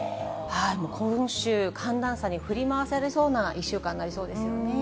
今週、寒暖差に振り回されそうな１週間になりそうですよね。